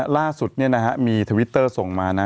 ล่าสุดมีทวิตเตอร์ส่งมานะ